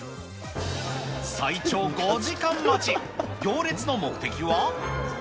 最長５時間待ち、行列の目的は。